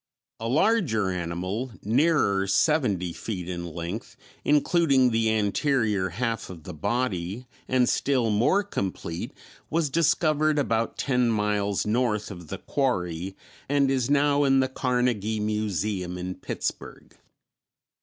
A larger animal, nearer seventy feet in length, including the anterior half of the body, and still more complete, was discovered about ten miles north of the quarry, and is now in the Carnegie Museum in Pittsburg.